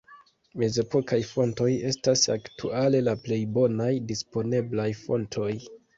Mezepokaj fontoj estas aktuale la plej bonaj disponeblaj fontoj.